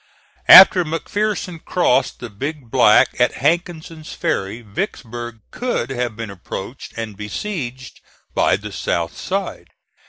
After McPherson crossed the Big Black at Hankinson's ferry Vicksburg could have been approached and besieged by the south side.